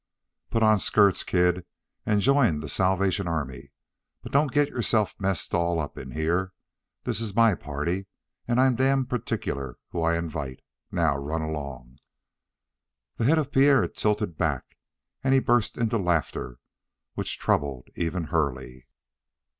"Put on skirts, kid, and join the Salvation Army, but don't get yourself messed all up in here. This is my party, and I'm damned particular who I invite! Now, run along!" The head of Pierre tilted back, and he burst into laughter which troubled even Hurley.